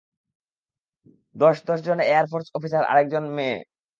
দশ দশ জন এয়ারফোর্স অফিসার আরেকজন মেয়ে!